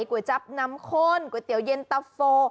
๋วยจับน้ำข้นก๋วยเตี๋ยเย็นตะโฟ